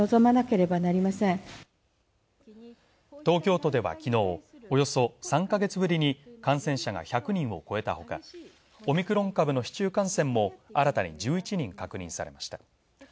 東京都ではきのう、およそ３ヶ月ぶりに感染者が１００人を超えたほか、オミクロン株の市中感染も新たに１１人確認されました。